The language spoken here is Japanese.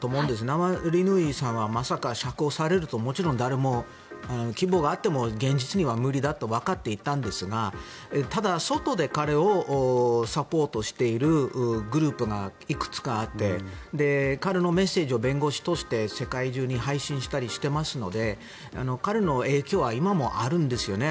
ナワリヌイさんはまさか釈放されるともちろん誰も希望があっても現実には無理だとわかっていたんですがただ、外で彼をサポートしているグループがいくつかあって彼のメッセージを弁護士を通して世界中に配信したりしていますので彼の影響は今もあるんですよね。